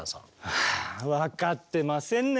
はあ分かってませんね。